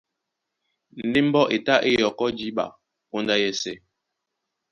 Ndé mbɔ́ e tá é yɔkɔ́ jǐɓa póndá yɛ́sɛ̄.